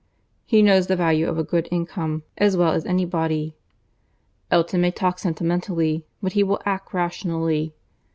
He knows the value of a good income as well as any body. Elton may talk sentimentally, but he will act rationally.